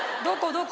どこ？